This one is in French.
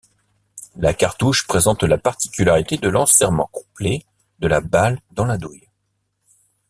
La cartouche présente la particularité de l'enserrement complet de la balle dans la douille.